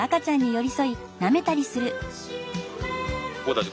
僕たち